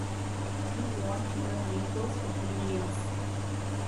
You want your neighbours' opinions.